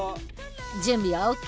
準備はＯＫ？